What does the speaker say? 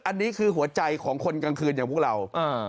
อันนี้คือหัวใจของคนกลางคืนอย่างพวกเรา